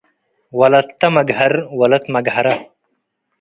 ወለተ መግሀር ወለት መግሀረ